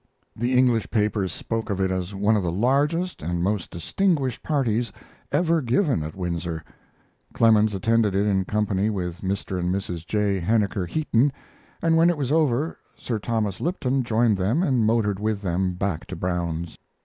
The English papers spoke of it as one of the largest and most distinguished parties ever given at Windsor. Clemens attended it in company with Mr. and Mrs. J. Henniker Heaton, and when it was over Sir Thomas Lipton joined them and motored with them back to Brown's.